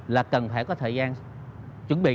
là cần phải có thời gian chuẩn bị